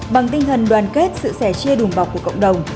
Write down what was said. bằng tinh thần đoàn kết sự sẻ chia đùm bọc của cộng đồng